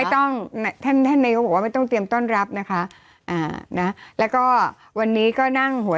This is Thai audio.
ก็ต้องท่านนายก็ไม่ต้องเตรียมต้นรับนะคะอ่าแล้วแล้ววันนี้ก็นั่งหัว